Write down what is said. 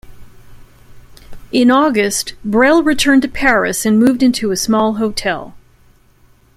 In August, Brel returned to Paris and moved into a small hotel.